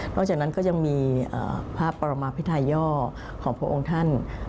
จากนั้นก็ยังมีพระปรมาพิทาย่อของพระองค์ท่าน